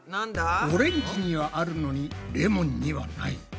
オレンジにはあるのにレモンにはない。